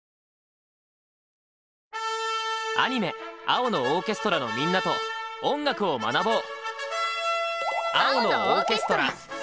アニメ「青のオーケストラ」のみんなと音楽を学ぼう！